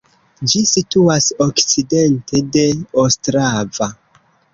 Ĝi situas okcidente de Ostrava.